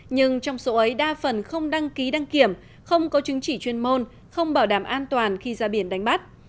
nhưng trong số ấy đa phần không đăng ký đăng kiểm không có chứng chỉ chuyên môn không bảo đảm an toàn khi ra biển đánh bắt